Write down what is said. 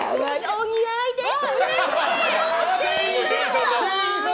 お似合いです！